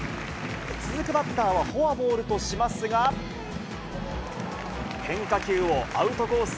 続くバッターはフォアボールとしますが、変化球をアウトコース